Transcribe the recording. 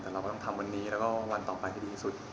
แต่เราก็ต้องทำวันนี้แล้วก็วันต่อไปให้ดีที่สุด